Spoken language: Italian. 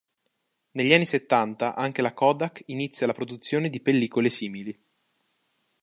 Negli anni settanta anche la Kodak inizia la produzione di pellicole simili.